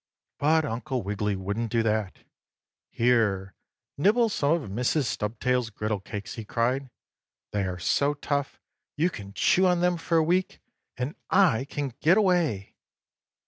But Uncle Wiggily wouldn't do that. "Here, nibble some of Mrs. Stubtail's griddle cakes!" he cried. "They are so tough you can chew on them for a week and I can get away!"